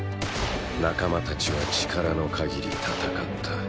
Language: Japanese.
仲間たちは力の限り戦った。